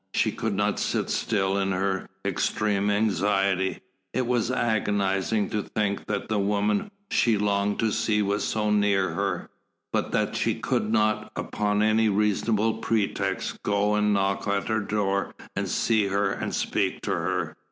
She could not sit still in her extreme anxiety. It was agonising to think that the woman she longed to see was so near her, but that she could not, upon any reasonable pretext, go and knock at her door and see her and speak to her.